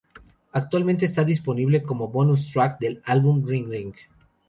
Actualmente está disponible como Bonus track del álbum Ring Ring.